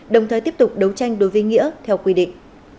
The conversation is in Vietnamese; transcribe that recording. đồng thời tiếp tục đấu tranh đối với nghĩa theo quy định